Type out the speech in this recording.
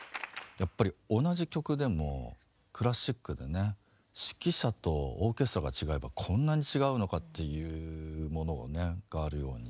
やっぱり同じ曲でもクラシックでね指揮者とオーケストラが違えばこんなに違うのかっていうものをねがあるように。